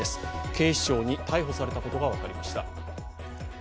警視庁に逮捕されたことが分かりました。